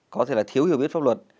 có thể là thiếu hiểu biết pháp luật